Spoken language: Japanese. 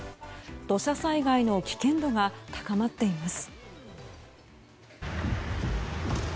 土砂災害の危険度が高まっています。